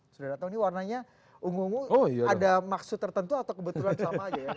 sudah datang ini warnanya ungu ungu ada maksud tertentu atau kebetulan sama aja ya